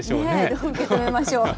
どう受け止めましょう。